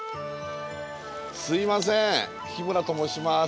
すいません日村と申します。